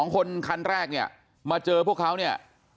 ๒คนคันแรกเนี่ยมาเจอพวกเขาเนี่ย